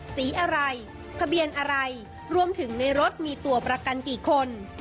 สีอะไรทะเบียนอะไรรวมถึงในรถมีตัวประกันกี่คน